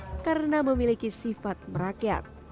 bangsa yang sesuai karena memiliki sifat merakyat